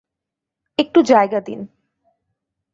একটু জায়গা দিন।